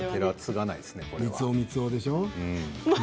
みつおみつおみつおでしょう。